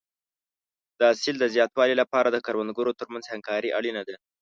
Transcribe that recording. د حاصل د زیاتوالي لپاره د کروندګرو ترمنځ همکاري اړینه ده.